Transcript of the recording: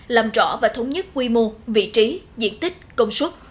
làm rõ và thống nhất quy mô vị trí diện tích công suất